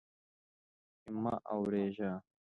چې مه اوریږه